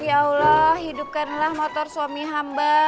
ya allah hidupkanlah motor suami hamba